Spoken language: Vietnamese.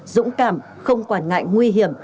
dũng cảm không quản ngại nguy hiểm